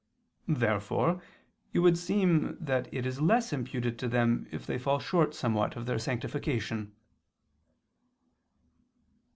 Therefore it would seem that it is less imputed to them if they fall short somewhat of their sanctification.